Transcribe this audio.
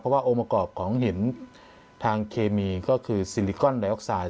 เพราะว่าองค์ประกอบของหินทางเคมีก็คือซิลิกอนไดออกไซด์